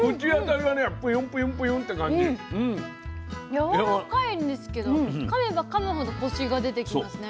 やわらかいんですけどかめばかむほどコシが出てきますね。